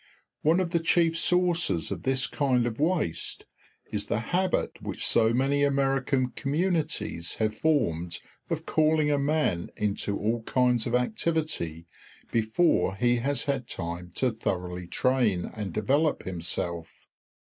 One of the chief sources of this kind of waste is the habit which so many American communities have formed of calling a man into all kinds of activity before he has had time to thoroughly train and develop himself.